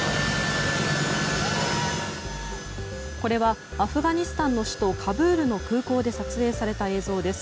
これはアフガニスタンの首都カブールの空港で撮影された映像です。